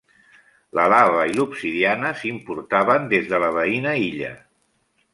La lava i l'obsidiana s'importaven des de la veïna illa.